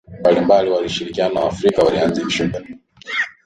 mbalimbali walishirikiana Waafrika walilazimishwa kulipa kodi kwa